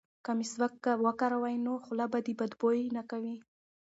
که مسواک وکاروې نو خوله به دې بوی نه کوي.